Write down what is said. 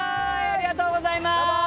ありがとうございます！